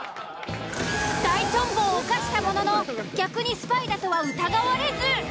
大チョンボを犯したものの逆にスパイだとは疑われず。